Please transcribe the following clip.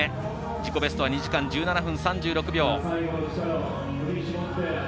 自己ベストは２時間１７分３６秒。